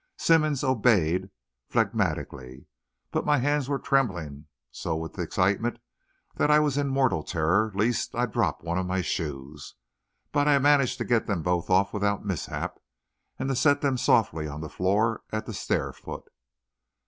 Simmonds obeyed phlegmatically, but my hands were trembling so with excitement that I was in mortal terror lest I drop one of my shoes; but I managed to get them both off without mishap, and to set them softly on the floor at the stair foot.